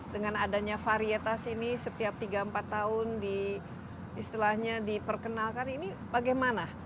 dengan adanya varietas ini setiap tiga empat tahun istilahnya diperkenalkan ini bagaimana